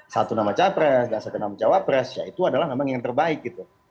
satu nama cawa pres dan satu nama cawa pres ya itu adalah memang yang terbaik gitu